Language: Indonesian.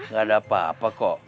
gak ada apa apa kok